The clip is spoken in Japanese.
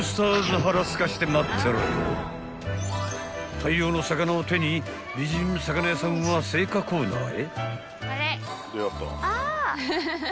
［大量の魚を手に美人魚屋さんは青果コーナーへ］